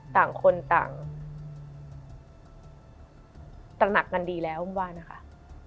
ต่างคนต่างตระหนักกันดีแล้วอุ้มว่านะคะ